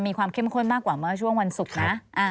มีความเข้มข้นมากกว่าเมื่อช่วงวันศุกร์นะ